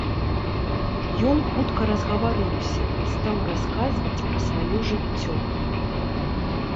Ён хутка разгаварыўся, стаў расказваць пра сваё жыццё.